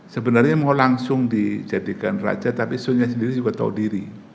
sebenarnya mau langsung dijadikan raja tapi sunya sendiri juga tahu diri